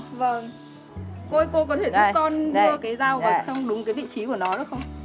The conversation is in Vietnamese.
cô ơi cô có thể giúp con đưa cái dao vào đúng vị trí của nó được không